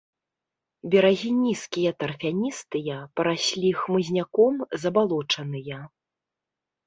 Берагі нізкія тарфяністыя, параслі хмызняком, забалочаныя.